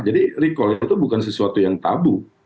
jadi recall itu bukan sesuatu yang tabu